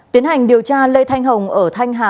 tiến hành điều tra lê thanh hồng ở thanh hà